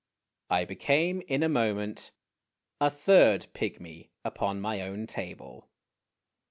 I became in a moment a third pygmy upon my own table.